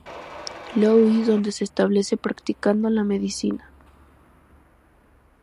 Louis donde se establece practicando la medicina.